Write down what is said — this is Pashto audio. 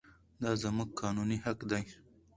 دا زموږ قانوني حق دی.